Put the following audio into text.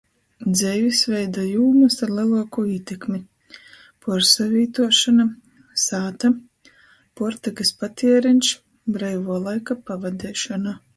Dzeivisveida jūmys ar leluokū ītekmi: puorsavītuošona, sāta, puortykys patiereņš, breivuo laika pavadeišona.